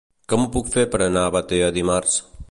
Com ho puc fer per anar a Batea dimarts?